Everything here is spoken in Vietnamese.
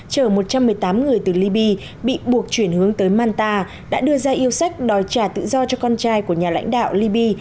chở một trăm một mươi tám người từ libya bị buộc chuyển hướng tới manta đã đưa ra yêu sách đòi trả tự do cho con trai của nhà lãnh đạo liby